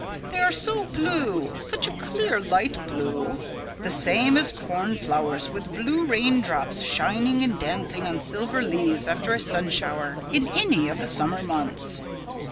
They are so blue, such a clear light blue, the same as cornflowers with blue raindrops shining and dancing on silver leaves after a sun shower in any of the summer months."